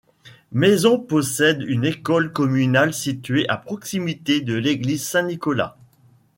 Maison possède une école communale située à proximité de l'église Saint Nicolas.